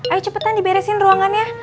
ayo cepetan diberesin ruangannya